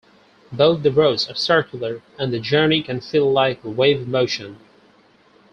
But the roads are circular and the journey can feel like wave motion.